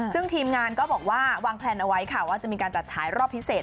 ซึ่งทีมงานก็บอกว่าวางแพลนเอาไว้ค่ะว่าจะมีการจัดฉายรอบพิเศษ